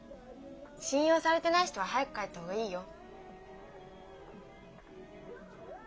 信用されてない人は早く帰った方がいいよ。